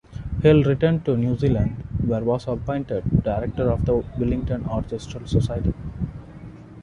Hill returned to New Zealand, where was appointed director of the Wellington Orchestral Society.